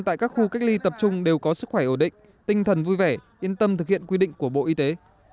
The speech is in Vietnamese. thực hiện quy định của bộ y tế